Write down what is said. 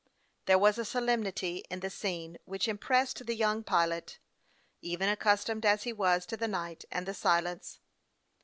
There was a solemnity in the scene which impressed the younj pilot, even accustomed as he was to the night and the silence.